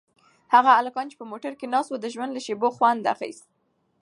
هغه هلکان چې په موټر کې ناست وو د ژوند له شېبو خوند اخیست.